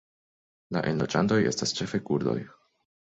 La enloĝantoj estas ĉefe kurdoj.